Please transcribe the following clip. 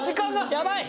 やばい！